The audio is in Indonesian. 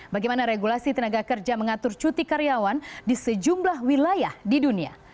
bagaimana regulasi tenaga kerja mengatur cuti karyawan di sejumlah wilayah di dunia